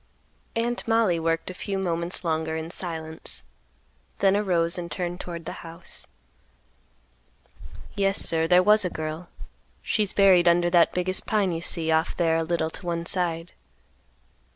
Aunt Mollie worked a few moments longer in silence, then arose and turned toward the house. "Yes, sir, there was a girl; she's buried under that biggest pine you see off there a little to one side.